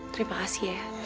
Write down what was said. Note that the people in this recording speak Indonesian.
terima kasih ya